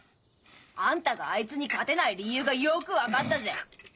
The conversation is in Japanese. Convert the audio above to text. あんたがあいつに勝てない理由がよく分かったぜ。